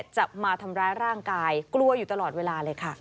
จะมาทำร้ายร่างกายกลัวอยู่ตลอดเวลาเลยค่ะ